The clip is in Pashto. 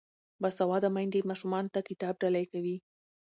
باسواده میندې ماشومانو ته کتاب ډالۍ کوي.